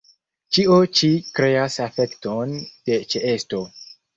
Ĉio ĉi kreas efekton de ĉeesto.